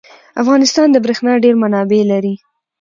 افغانستان د بریښنا ډیر منابع لري.